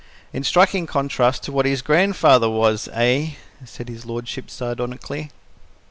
"In striking contrast to what his grandfather was, eh?" said his lordship sardonically.